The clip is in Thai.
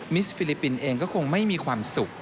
สฟิลิปปินส์เองก็คงไม่มีความสุข